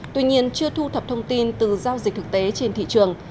tuy nhiên chưa thu thập thông tin từ giao dịch thực tế trên thị trường